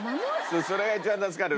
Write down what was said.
それが一番助かる。